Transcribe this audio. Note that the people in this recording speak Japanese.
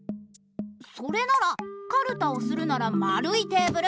それならかるたをするならまるいテーブル。